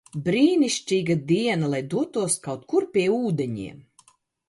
Brīnišķīga diena, lai dotos kaut kur pie ūdeņiem!